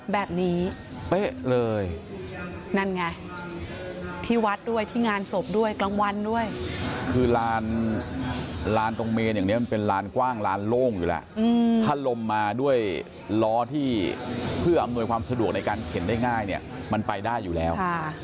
แบบนี้เป๊ะเลยนั่นไงที่วัดด้วยที่งานศพด้วยกลางวันด้วยคือลานลานตรงเมนอย่างนี้มันเป็นลานกว้างลานโล่งอยู่แล้วถ้าลมมาด้วยล้อที่เพื่ออำนวยความสะดวกในการเข็นได้ง่ายเนี่ยมันไปได้อยู่แล้ว